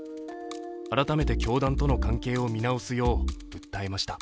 改めて教団との関係を見直すよう訴えました。